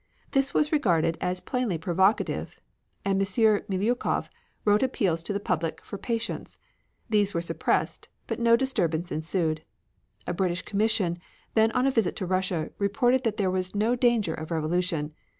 This was regarded as plainly provocative, and M. Miliukov wrote appeals to the people for patience. These were suppressed, but no disturbance ensued. A British Commission, then on a visit to Russia, reported that there was no danger of revolution.